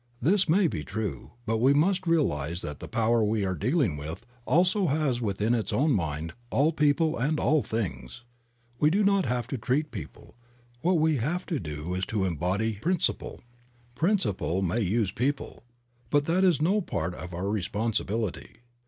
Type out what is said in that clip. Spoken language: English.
This may be true, but we must realize that the power we are dealing with also has within its own mind all people and all things. We do not have to treat people ; what we have to do is to embody principle. Principle may use people, but that is no part of our responsibility.